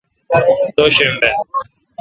دو شنبہ